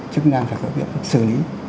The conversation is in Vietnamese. chức năng phải có việc xử lý